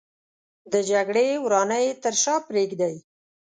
د جګړې ورانۍ تر شا پرېږدي